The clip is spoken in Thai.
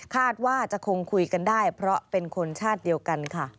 คาดว่าจะคงคุยกันได้เพราะเป็นคนชาติเดียวกันค่ะ